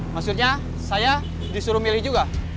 maksudnya saya disuruh milih juga